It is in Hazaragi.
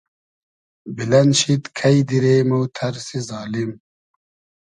بیلئن شید کݷ دیرې مۉ تئرسی زالیم